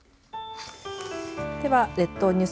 では列島ニュース